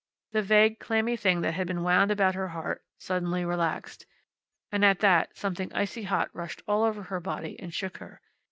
The vague, clammy thing that had been wound about her heart suddenly relaxed. And at that something icy hot rushed all over her body and shook her.